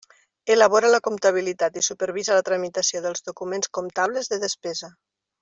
Elabora la comptabilitat i supervisa la tramitació dels documents comptables de despesa.